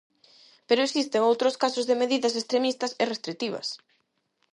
Pero existen outros casos de medidas extremistas e restritivas.